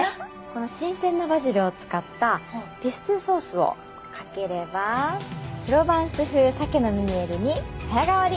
この新鮮なバジルを使ったピストゥソースをかければプロヴァンス風サケのムニエルに早変わり。